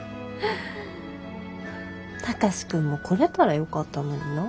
貴司君も来れたらよかったのになあ。